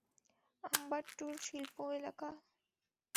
আম্বাট্টুর শিল্প এলাকা?